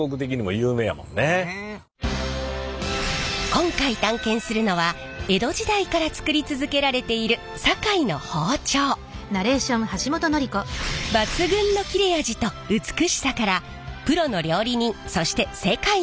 今回探検するのは江戸時代からつくり続けられている抜群の切れ味と美しさからプロの料理人そして世界が注目！